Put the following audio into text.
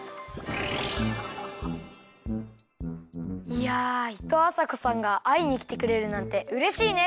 いやいとうあさこさんがあいにきてくれるなんてうれしいね！